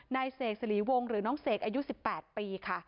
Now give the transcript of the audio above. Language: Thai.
นายเสกสรีวงหรือน้องเสกอายุ๑๘ปีค่ะ